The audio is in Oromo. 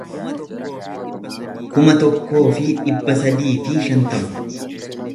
kuma tokkoo fi dhibba sadii fi shantama